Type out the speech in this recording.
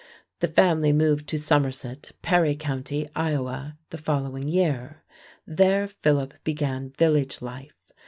The family moved to Somerset, Perry Co., Ohio, the following year. There Philip began village life.